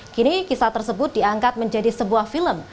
kini kisah tersebut diangkat menjadi sebuah film